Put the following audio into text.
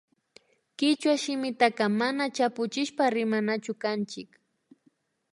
Kichwa shimitaka mana chapuchishpa rimanachu kanchik